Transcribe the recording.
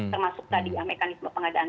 termasuk tadi ya mekanisme pengadaan